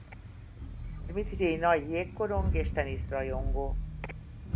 Dmitrij nagy jégkorong és tenisz rajongó.